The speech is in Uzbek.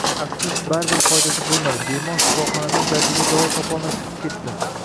Afsus, baribir, foydasi bo‘lmadi, bemor shifoxonadan dardiga davo topolmay chiqib ketdi